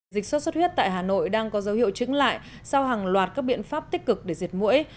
dịch sốt xuất huyết tại hà nội đang có dấu hiệu chứng lại sau hàng loạt các biện pháp tích cực để diệt mũi